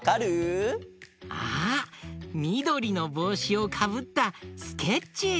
みどりのぼうしをかぶったスケッチー！